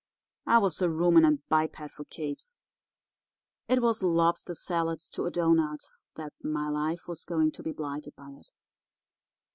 I was a ruminant biped for keeps. It was lobster salad to a doughnut that my life was going to be blighted by it.